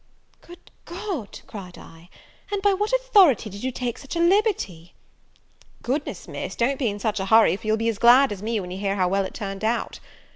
"Good God," cried I, "and by what authority did you take such a liberty?" "Goodness, Miss don't be in such a hurry, for you'll be as glad as me, when you hear how well it all turned out.